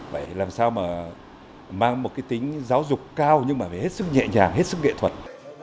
vậy làm sao mà mang một cái tính giáo dục cao nhưng mà phải hết sức nhẹ nhàng hết sức nghệ thuật